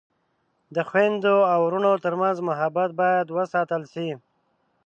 د خویندو او ورونو ترمنځ محبت باید وساتل شي.